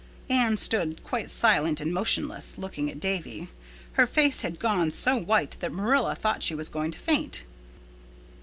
Anne stood quite silent and motionless, looking at Davy. Her face had gone so white that Marilla thought she was going to faint.